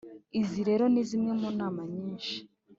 izi rero ni zimwe mu nama nyinshi